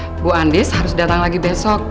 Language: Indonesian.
ibu andis harus datang lagi besok